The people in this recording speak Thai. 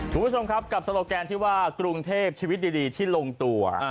คุณผู้ชมครับกับโซโลแกนที่ว่ากรุงเทพชีวิตดีที่ลงตัว